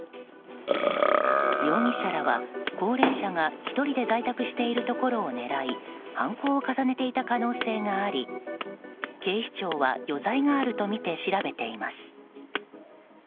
容疑者らは高齢者が１人が在宅しているところを狙い犯行を重ねていた可能性があり警視庁は余罪があるとみて調べています。